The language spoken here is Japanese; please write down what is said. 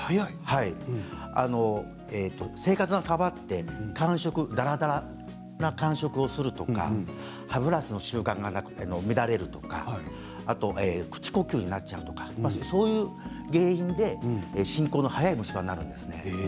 生活が変わって、間食だらだらな間食をするとか歯ブラシの習慣が乱れるとか口呼吸になっちゃうとかそういう原因で進行の早い虫歯になるんですね。